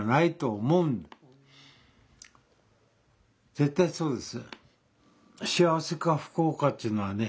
絶対そうです。